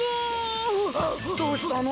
どうしたの？